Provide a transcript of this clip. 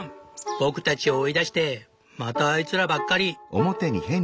僕たちを追い出してまたあいつらばっかり！」。